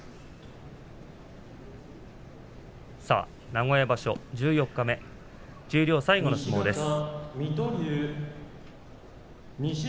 名古屋場所、十四日目十両最後の相撲です。